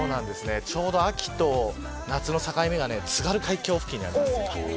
ちょうど秋と夏の境目が津軽海峡付近にあります。